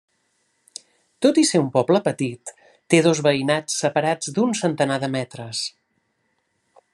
Tot i ser un poble petit, té dos veïnats separats d'un centenar de metres.